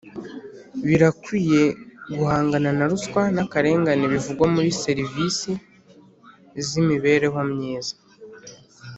Birakwiye guhangana na ruswa n’akarengane bivugwa muri servisi z’imibereho myiza